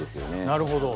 なるほど。